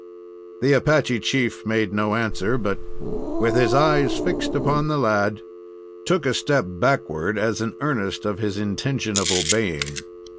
The Apache chief made no answer, but, with his eyes fixed upon the lad, took a step backward, as an earnest of his intention of obeying.